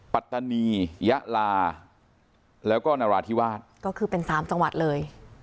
ปัตตานียะลาแล้วก็นราธิวาสก็คือเป็นสามจังหวัดเลย